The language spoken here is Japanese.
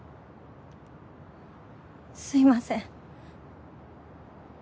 すいません。